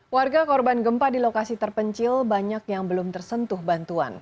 warga korban gempa di lokasi terpencil banyak yang belum tersentuh bantuan